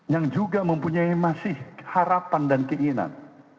yang juga mempunyai masih harapan dan keinginan